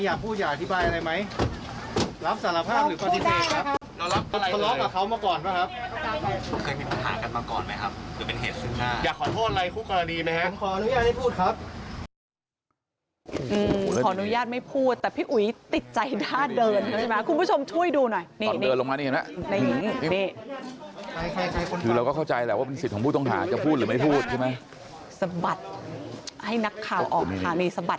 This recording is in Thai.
อยากขอโทษอะไรครูกรณีมั้ยครับปรนโรยาณไม่พูดครับผมขออนุญาตไม่พูดแต่พี่อุ๋ยติดใจท่าเดินใช่ไหมครับคุณผู้ชมช่วยดูหน่อยต่อเดินลงมาเห็นไหมในอีกนิดนึงนี่ใครใครคนขอคือเราก็เข้าใจแล้วว่าเป็นสิทธิ์ของผู้ต้องหาจะพูดหรือไม่พูดใช่ไหมสบัดให้นักข่าวออกค่ะนี่สบ